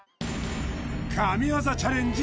神業チャレンジ